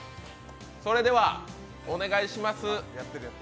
それではお願いします。